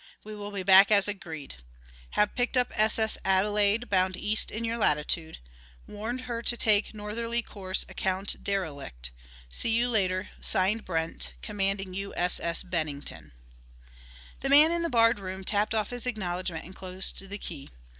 We will be back as agreed. Have picked up S. S. Adelaide bound east in your latitude. Warned her to take northerly course account derelict. See you later. Signed, Brent, commanding U. S. S. Bennington." The man in the barred room tapped off his acknowledgement and closed the key.